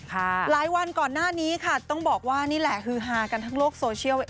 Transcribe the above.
หลายวันก่อนหน้านี้ค่ะต้องบอกว่านี่แหละฮือฮากันทั้งโลกโซเชียล